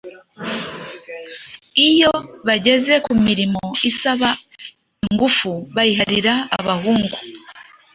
Iyo bageze ku mirimo isaba ingufu bayiharira abahungu